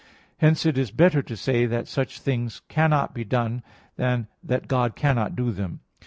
Hence it is better to say that such things cannot be done, than that God cannot do them.